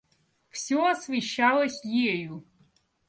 Всё освещалось ею.